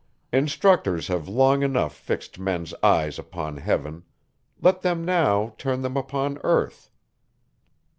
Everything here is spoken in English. Instructors have long enough fixed men's eyes upon heaven; let them now turn them upon earth.